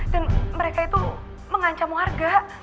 dan mereka itu mengancam warga